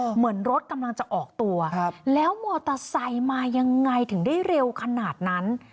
เหมือนรถกำลังจะออกตัวแล้วมอเตอร์ไซค์มายังไงถึงได้เร็วขนาดนั้น